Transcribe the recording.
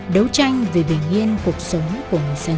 đấu tranh vì bình yên cuộc sống của người dân